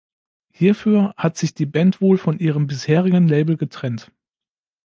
Hierfür hat sich die Band wohl von ihrem bisherigen Label getrennt.